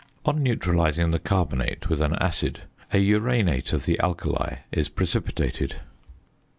On neutralising the carbonate with an acid a uranate of the alkali is precipitated.